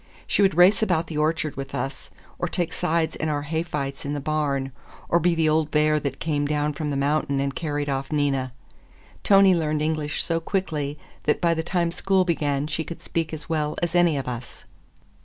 She would race about the orchard with us, or take sides in our hay fights in the barn, or be the old bear that came down from the mountain and carried off Nina. Tony learned English so quickly that by the time school began she could speak as well as any of us.